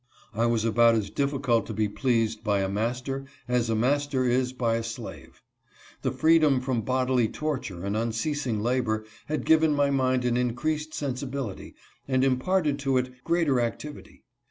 I was about as difficult to be pleased by a master as a master is by a slave. The freedom from bodily torture and unceasing labor had given my mind an in creased sensibility and imparted to it greater activity.